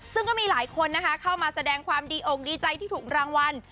ซึ่งก็มีหลายคนนะคะเข้ามาแสดงความดีอกดีใจที่ถูกรางวัล